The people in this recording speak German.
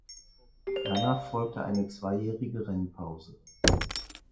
Danach folgte eine zweijährige Rennpause.